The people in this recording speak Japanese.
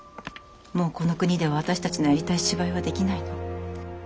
もうこの国では私たちのやりたい芝居はできないの。